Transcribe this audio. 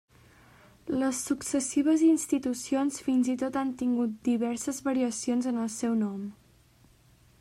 Les successives institucions fins i tot han tingut diverses variacions en el seu nom.